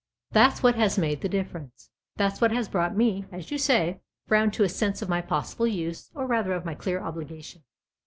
" That's what has made the difference that's what has brought me, as you say, round to a sense of my possible use, or rather of my clear obligation.